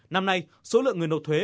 năm nay số lượng người nộp thuế